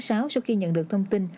sau khi nhận được thông tin